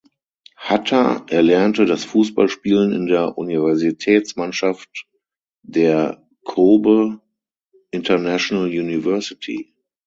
Hatta erlernte das Fußballspielen in der Universitätsmannschaft der Kobe International University.